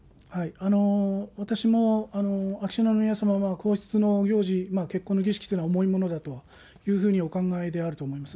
私も秋篠宮さまが皇室の行事、結婚の儀式というものは重いものだというふうにお考えであると思います。